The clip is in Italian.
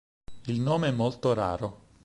Il nome è molto raro.